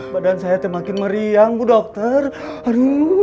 badan saya semakin meriang bu dokter aduh